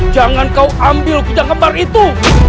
jangan kau ambil gudang kembar itu